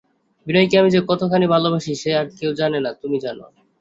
বিনয়কে আমি যে কতখানি ভালোবাসি সে আর কেউ না জানে তো তুমি জান।